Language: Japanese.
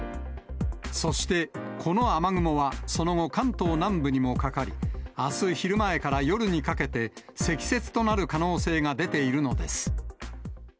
そして、この雨雲はその後、関東南部にもかかり、あす昼前から夜にかけて、積雪となる可能性が出ているのです。